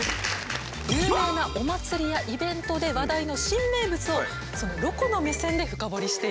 有名なお祭りやイベントで話題の新名物をロコの目線で深掘りしていきます。